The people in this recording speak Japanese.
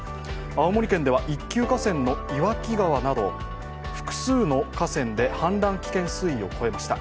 青森県では１級河川の岩木川など複数の河川で氾濫危険水位を超えました。